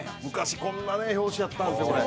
昔こんなね表紙やったんですよ